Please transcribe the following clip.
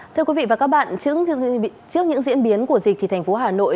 thưa quý vị và các bạn trước những diễn biến của dịch thì thành phố hà nội